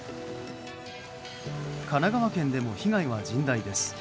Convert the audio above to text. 神奈川県でも被害は甚大です。